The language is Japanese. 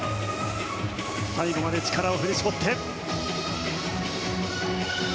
最後まで力を振り絞って。